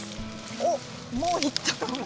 おっもういった。